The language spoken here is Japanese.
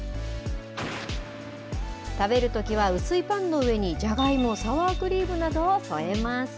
食べるときは薄いパンの上にじゃがいも、サワークリームなどを添えます。